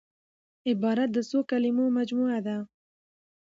عبارت د څو کليمو مجموعه ده.